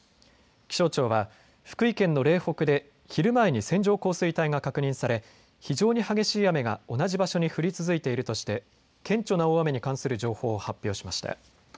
気象庁は福井県の嶺北で昼前に線状降水帯が確認され非常に激しい雨が同じ場所に降り続いているとして顕著な大雨に関する情報を発表しました。